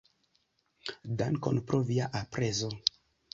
Dankon pro via aprezo.